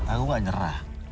aku gak nyerah